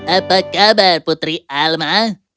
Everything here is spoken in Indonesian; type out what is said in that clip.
apa kabar putri alma